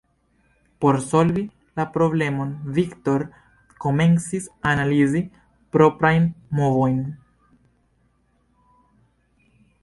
Por solvi la problemon Viktor komencis analizi proprajn movojn.